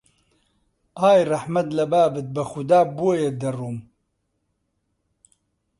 ئای ڕەحمەت لە بابت، بەخودا بۆیە دەڕۆم!